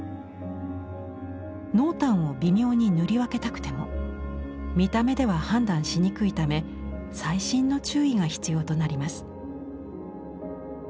濃淡を微妙に塗り分けたくても見た目では判断しにくいため細心の注意が必要となります。